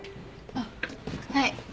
あっはい。